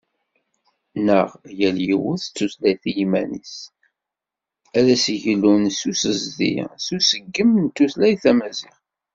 Neɣ yal yiwet d tutlayt iman-s ad d-yeglun s usezdi d useggem n tutlayt Tamaziɣt.